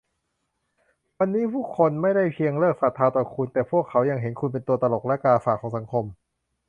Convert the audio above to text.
วันนี้ผู้คนไม่ได้เพียงเลิกศรัทธาต่อคุณ แต่พวกเขายังเห็นคุณเป็นตัวตลกและกาฝากของสังคม